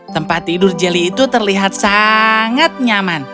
tempat tidur jeli itu terlihat sangat nyaman